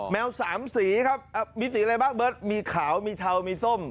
แมวสามสีครับมีสีอะไรบ้างเบิร์ตมีขาวมีเทามีส้ม